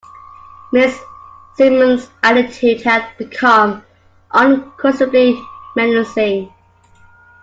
Mrs. Simmons's attitude had become unquestionably menacing.